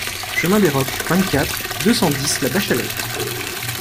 Chemin des Rocs, vingt-quatre, deux cent dix La Bachellerie